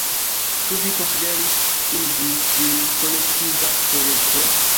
Ĉu vi konsideris igi ĝin kolektiva projekto?